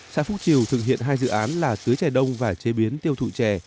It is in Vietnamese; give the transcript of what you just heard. xã phúc triều thực hiện hai dự án là tưới trè đông và chế biến tiêu thụ trè